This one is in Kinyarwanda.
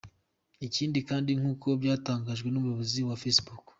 Ikindi kandi nk’uko byatangajwe n’umuyobozi wa Facebook.